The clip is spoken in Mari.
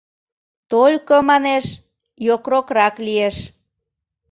— Только, — манеш, — йокрокрак лиеш.